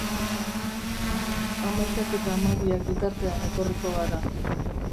Hamaikak eta hamabiak bitartean etorriko gara.